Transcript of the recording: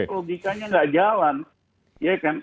logikanya tidak jalan